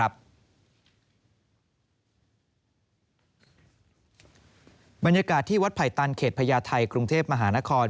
บรรยากาศที่วัดไผ่ตันเขตพญาไทยกรุงเทพมหานคร